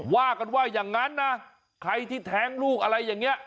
ว่ากันว่าอย่างนั้นนะใครที่แท้งลูกอะไรอย่างนี้